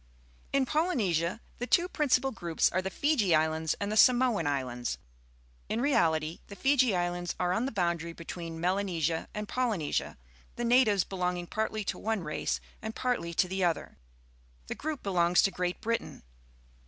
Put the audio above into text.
In Polynesia the two principal groups are the Fiji Islands and the Samoan Islands. In reality, the Fiji Islands are on the boun dary between Melanesia and Polynesia, the natives belonging partlj^ to one race and partly to the other. The group belongs to Great Britain.